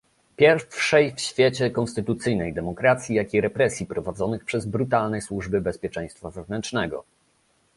Pierwszej w świecie konstytucyjnej demokracji, jak i represji prowadzonych przez brutalne służby bezpieczeństwa wewnętrznego